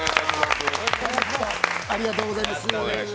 ありがとうございます。